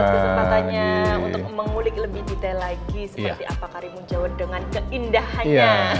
kesempatannya untuk mengulik lebih detail lagi seperti apa karimun jawa dengan keindahannya